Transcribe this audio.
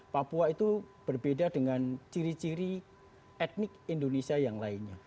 papua itu berbeda dengan ciri ciri etnik indonesia yang lainnya